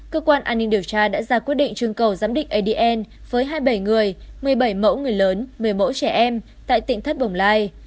cơ quan an ninh điều tra đã ra quyết định trưng cầu giám định adn với hai mươi bảy người một mươi bảy mẫu người lớn một mươi mẫu trẻ em tại tỉnh thất bồng lai